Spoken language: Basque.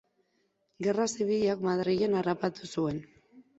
Gerra zibilak Madrilen harrapatu zuen.